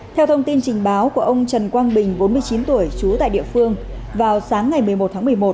theo thông tin trình báo của ông trần quang bình bốn mươi chín tuổi trú tại địa phương vào sáng ngày một mươi một tháng một mươi một